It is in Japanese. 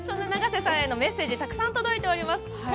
永瀬さんへのメッセージたくさん届いています。